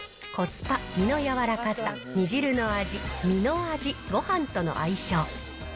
コスパ、身の柔かさ、煮汁の味、身の味、ごはんとの相性。